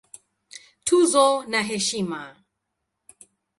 Tuzo na Heshima